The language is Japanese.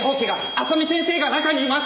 麻美先生が中にいます！